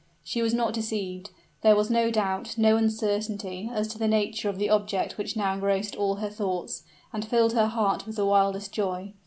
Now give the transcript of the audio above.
She was not deceived; there was no doubt, no uncertainty, as to the nature of the object which now engrossed all her thoughts, and filled her heart with the wildest joy.